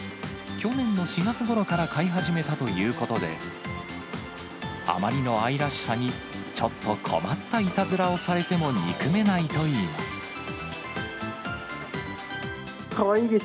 去年の４月ごろから飼い始めたということで、あまりの愛らしさに、ちょっと困ったいたずらをされても憎めないといいます。